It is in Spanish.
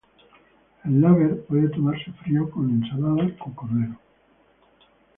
El "laver" puede tomarse frío como ensalada con cordero.